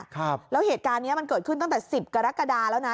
ครับแล้วเหตุการณ์เนี้ยมันเกิดขึ้นตั้งแต่สิบกรกฎาแล้วนะ